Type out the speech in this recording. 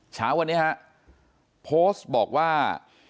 เช้าวันนี้ฮะโพสต์บอกว่า